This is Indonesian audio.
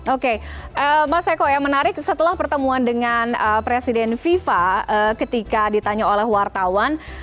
oke mas eko yang menarik setelah pertemuan dengan presiden fifa ketika ditanya oleh wartawan